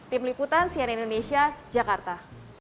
tim liputan sian indonesia jakarta